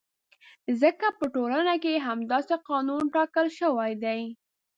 ځکه په ټولنه کې یې همداسې قانون ټاکل شوی دی.